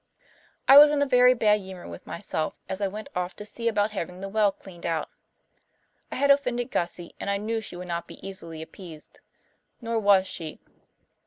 I was in a very bad humour with myself as I went off to see about having the well cleaned out. I had offended Gussie and I knew she would not be easily appeased. Nor was she.